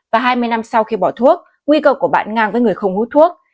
và hai mươi năm sau khi bỏ thuốc nguy cơ của bạn ngang với người không hút thuốc